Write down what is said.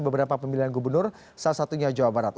beberapa pemilihan gubernur salah satunya jawa barat